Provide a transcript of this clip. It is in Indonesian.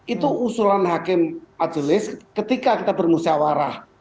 itu usulan hakim majelis ketika kita bermusyawarah